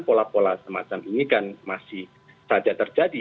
pola pola semacam ini kan masih saja terjadi